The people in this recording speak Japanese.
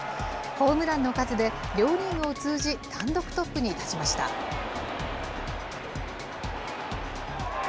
ホームランの数で、両リーグを通じ、単独トップに立ちました。